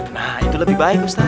nah itu lebih baik ustadz